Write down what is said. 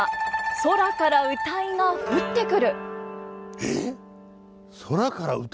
「空から謡が降ってくる」？